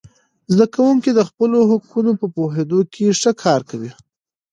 زده کوونکي د خپلو حقونو په پوهیدو کې ښه کار کوي.